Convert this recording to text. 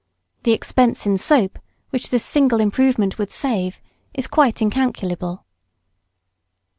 The expense in soap, which this single improvement would save, is quite incalculable.